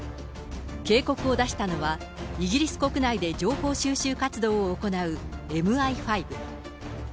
警告を出したのは、イギリス国内で情報収集活動を行うＭＩ５。